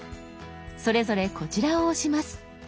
それぞれこちらを押します。